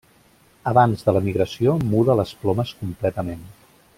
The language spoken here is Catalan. Abans de la migració muda les plomes completament.